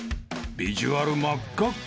［ビジュアル真っ赤っか］